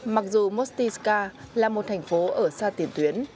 mặc dù mostiska là một thành phố ở xa tiền tuyến